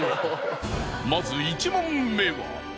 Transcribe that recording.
まず１問目は。